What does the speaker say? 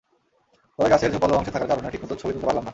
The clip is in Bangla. তবে গাছের ঝোপালো অংশে থাকার কারণে ঠিকমতো ছবি তুলতে পারলাম না।